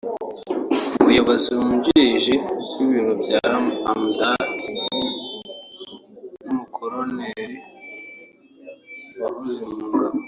Umuyobozi wungirije w’ibiro bya Hama Amadou n’Umukoloneri wahoze mu ngabo